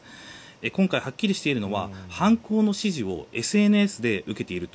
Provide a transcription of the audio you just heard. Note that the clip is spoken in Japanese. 今回はっきりしているのは犯行の指示をＳＮＳで受けていると。